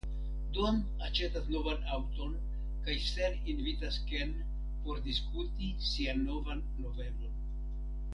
Don aĉetas novan aŭton kaj Sel invitas Ken por diskuti sian novan novelon.